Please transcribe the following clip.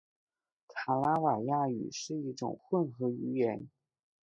卡拉瓦亚语是一种混合语言。